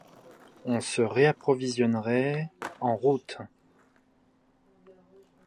On se réapprovisionnerait en route.